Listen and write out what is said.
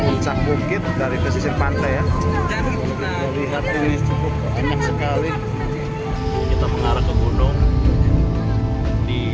puncak bukit dari pesisir pantai ya lihat ini cukup enak sekali kita mengarah ke gunung di